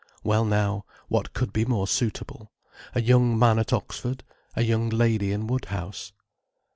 Well now, what could be more suitable—a young man at Oxford, a young lady in Woodhouse.